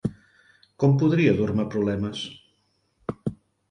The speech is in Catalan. Com podria dur-me problemes?